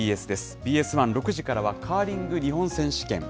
ＢＳ１、６時からは、カーリング日本選手権。